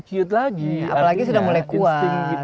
cute lagi apalagi sudah mulai kuat